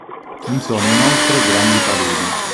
Vi sono inoltre grandi paludi.